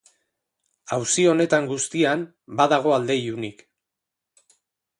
Auzi honetan guztian badago alde ilunik.